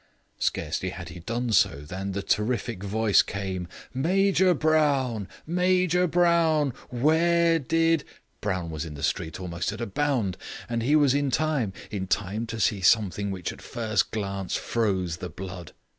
Scarcely had he done so than the terrific voice came: "Major Brown, Major Brown, where did " Brown was in the street almost at a bound, and he was in time in time to see something which at first glance froze the blood.